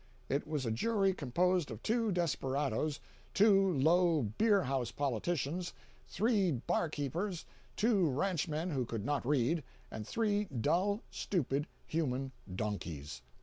It was a jury composed of two desperadoes, two low beer house politicians, three bar keepers, two ranchmen who could not read, and three dull, stupid, human donkeys!